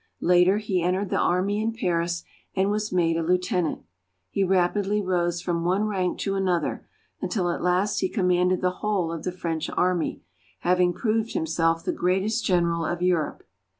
Later he entered the army in Paris and was made a lieutenant. He rapidly rose from one rank to another, until at last he commanded the whole of the French army, having proved himself the greatest general of Europe.